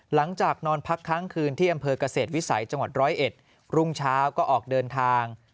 นอนพักค้างคืนที่อำเภอกเกษตรวิสัยจังหวัดร้อยเอ็ดรุ่งเช้าก็ออกเดินทาง